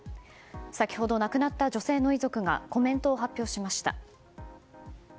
先ほど、亡くなった女性の遺族がコメントを発表しました。